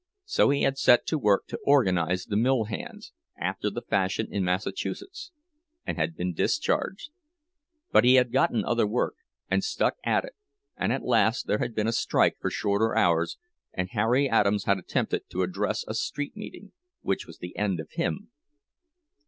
So he had set to work to organize the mill hands, after the fashion in Massachusetts, and had been discharged; but he had gotten other work, and stuck at it, and at last there had been a strike for shorter hours, and Harry Adams had attempted to address a street meeting, which was the end of him.